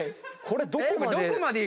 これどこまで。